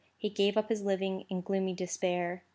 He gave up his living in gloomy despair.